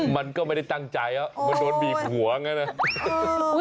มันก็ไม่ได้ตั้งใจมันโดนบีบหัวไงนะ